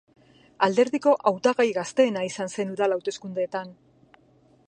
Alderdiko hautagai gazteena izan zen udal hauteskundeetan.